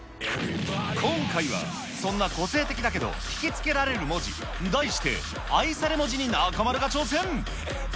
今回は、そんな個性的だけど引き付けられる文字、題して愛され文字に中丸が挑戦。